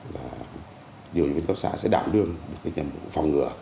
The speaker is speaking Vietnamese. điều tra viên cấp xã sẽ đảm đương